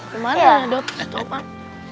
kemana ya ustadz topan